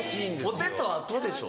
ポテト後でしょ？